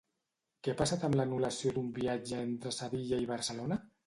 Què ha passat amb l'anul·lació d'un viatge entre Sevilla i Barcelona?